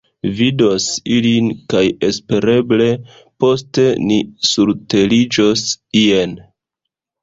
Vidos illin kaj espereble poste ni surteriĝos ien.